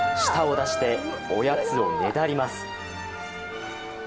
舌を出しておやつをねだります。